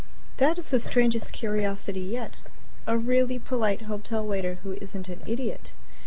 That is the strangest curiosity yet a really polite hotel waiter who isn't an idiot.